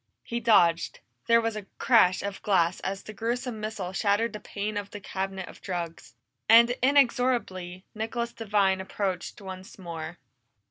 He dodged; there was a crash of glass as the gruesome missile shattered the pane of the cabinet of drugs. And inexorably, Nicholas Devine approached once more.